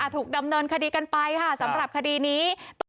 ถูกดำเนินคดีกันไปค่ะสำหรับคดีนี้